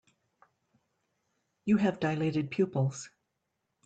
You have dilated pupils.